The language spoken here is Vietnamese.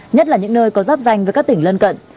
nhất là những nơi có giáp danh với các tỉnh lân cận